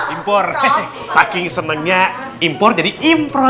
impor saking senangnya impor jadi improt